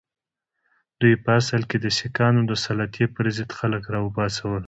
دوی په اصل کې د سیکهانو د سلطې پر ضد خلک را وپاڅول.